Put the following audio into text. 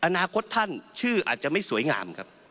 อนาคตท่านชื่ออาจจะไม่สวยงามครับ